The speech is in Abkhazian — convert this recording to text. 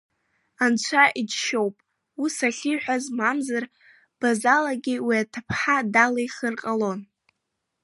Анцәа иџьшьоуп ус ахьиҳәаз мамзар Базалагьы уи аҭыԥҳа далихыр ҟалон.